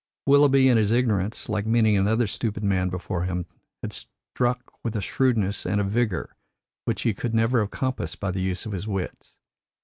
Willoughby in his ignorance, like many another stupid man before him, had struck with a shrewdness and a vigour which he could never have compassed by the use of his wits.